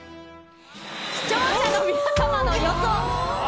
視聴者の皆様の予想。